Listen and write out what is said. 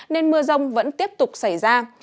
nên mưa rông vẫn tiếp tục xảy ra